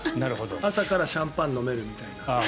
朝からシャンパン飲めるみたいな。